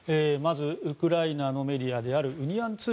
まずウクライナのメディアであるウニアン